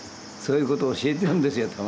そういうことを教えてるんですよ